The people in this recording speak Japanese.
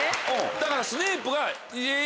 だからスネイプが。